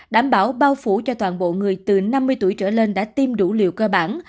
đảm bảo bao phủ cho toàn bộ người từ năm mươi tuổi trở lên đã tiêm đủ liều cơ bản